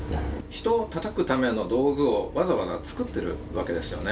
人をたたくための道具を、わざわざ作ってるわけですよね。